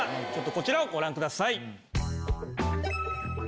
こちらをご覧ください。